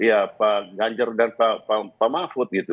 ya pak ganjar dan pak mafud gitu